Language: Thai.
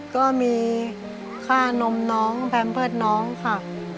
ก็มีค่านมน้องแพมเพิร์ตน้องค่ะ